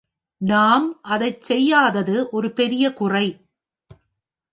நாம் அதைச் செய்யாதது ஒரு பெரிய குறை.